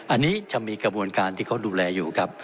อันนี้จะมีกระบวนการที่เขาดูแลอยู่ครับ